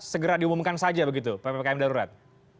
segera diumumkan saja begitu ppkm darurat